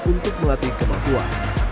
untuk melatih kemampuan